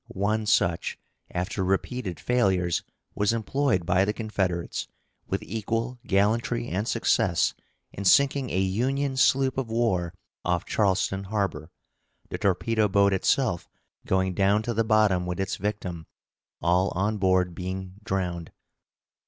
One such, after repeated failures, was employed by the Confederates, with equal gallantry and success, in sinking a Union sloop of war off Charleston harbor, the torpedo boat itself going down to the bottom with its victim, all on board being drowned.